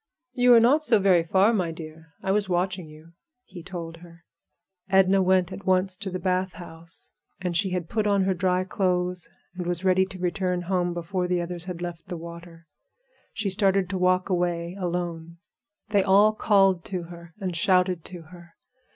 "You were not so very far, my dear; I was watching you," he told her. Edna went at once to the bath house, and she had put on her dry clothes and was ready to return home before the others had left the water. She started to walk away alone. They all called to her and shouted to her.